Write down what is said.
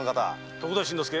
徳田新之助